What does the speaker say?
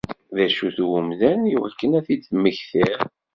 D acu-t umdan iwakken ad t-id-temmektiḍ?